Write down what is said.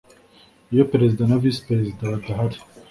Iyo Perezida na Visi Perezida badahari